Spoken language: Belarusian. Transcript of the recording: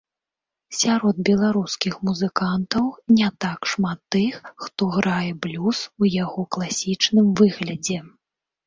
Сярод беларускіх музыкантаў не так шмат тых, хто грае блюз у яго класічным выглядзе.